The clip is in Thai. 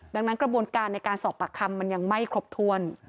ดังนั้นกระบวนการในการสอบปากคำมันยังไม่ครบถ้วน